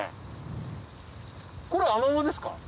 これアマモですか？